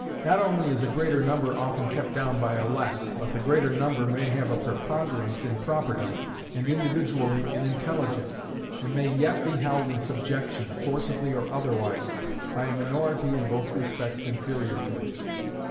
Not only is a greater number often kept down by a less, but the greater number may have a preponderance in property, and individually in intelligence, and may yet be held in subjection, forcibly or otherwise, by a minority in both respects inferior to it.